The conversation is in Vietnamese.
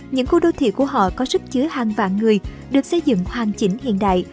những khu đô thị của họ có sức chứa hàng vạn người được xây dựng hoàn chỉnh hiện đại